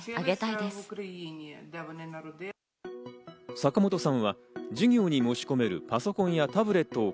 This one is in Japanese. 坂本さんは授業に持ち込めるパソコンやタブレットを